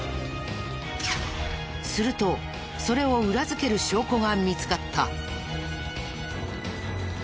するとそれを裏付ける証拠が見つかった。